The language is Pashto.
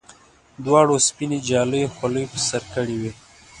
دواړو سپینې جالۍ خولۍ پر سر کړې وې.